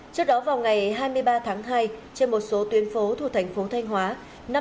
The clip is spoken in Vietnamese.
trước đó vào ngày hai mươi ba tháng hai trên một số tuyến phố thuộc tp thanh hóa